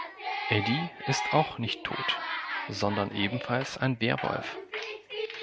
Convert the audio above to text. Eddie ist auch nicht tot, sondern ebenfalls ein Werwolf.